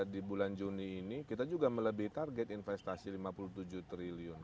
di bulan juni ini kita juga melebihi target investasi lima puluh tujuh triliun